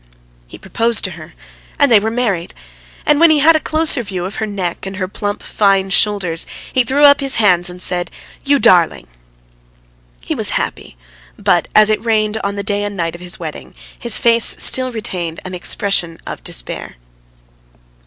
... He proposed to her, and they were married. And when he had a closer view of her neck and her plump, fine shoulders, he threw up his hands, and said: "You darling!" He was happy, but as it rained on the day and night of his wedding, his face still retained an expression of despair.